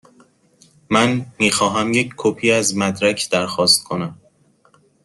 من می خواهم یک کپی از مدرک درخواست کنم.